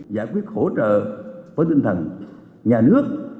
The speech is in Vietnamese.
giải quyết hỗ trợ với tinh thần nhà nước